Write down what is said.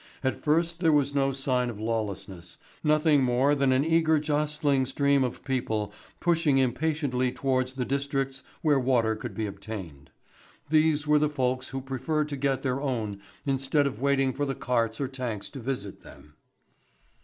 At first there were no signs of lawlessness, nothing more than an eager jostling stream of people pushing impatiently towards the districts where water could be obtained. These were the folks who preferred to get their own instead of waiting for the carts or tanks to visit them.